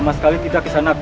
sama sekali tidak kisanak